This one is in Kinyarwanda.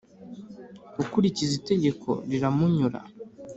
Ukurikiza itegeko, riramunyura,